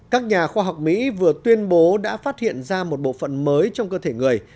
các nhà khoa học mỹ vừa tuyên bố đã phát hiện ra một bộ phận mới trong cơ thể người